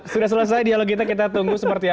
sudah selesai dialog kita kita tunggu seperti apa